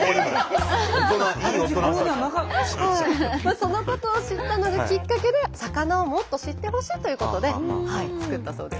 そのことを知ったのがきっかけで魚をもっと知ってほしいということで作ったそうです。